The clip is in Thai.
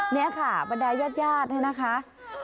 นี่ค่ะบันดายญาตินี่นะคะ